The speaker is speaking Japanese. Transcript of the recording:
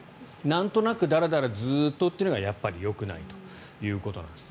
なんとなくだらだらずっとというのがよくないということです。